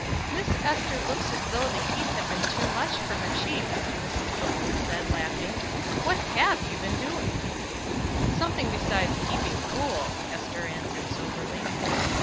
"Miss Ester looks as though the heat had been too much for her cheeks," Mrs. Brookley said, laughing. "What have you been doing?" "Something besides keeping cool," Ester answered soberly.